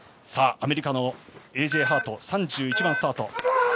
アメリカのエイジェイ・ハート３１番スタート。